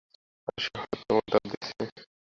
আর সে হঠাৎ করেই তোমাকে দাওয়াত দিয়েছে!